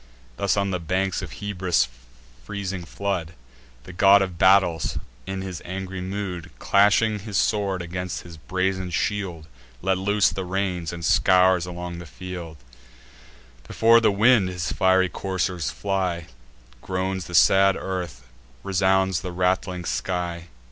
Thus, on the banks of Hebrus' freezing flood, The God of Battles, in his angry mood, Clashing his sword against his brazen shield, Let loose the reins, and scours along the field: Before the wind his fiery coursers fly; Groans the sad earth, resounds the rattling sky.